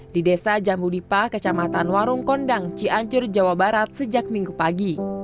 di desa jambudipa kecamatan warung kondang cianjur jawa barat sejak minggu pagi